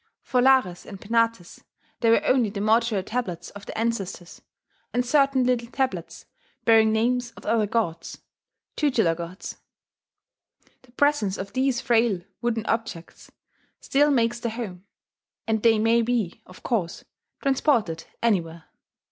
For Lares and Penates there were only the mortuary tablets of the ancestors, and certain little tablets bearing names of other gods tutelar gods .... The presence of these frail wooden objects still makes the home; and they may be, of course, transported anywhere.